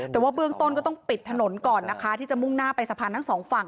แต่ว่าเบื้องต้นก็ต้องปิดถนนก่อนนะคะที่จะมุ่งหน้าไปสะพานทั้งสองฝั่ง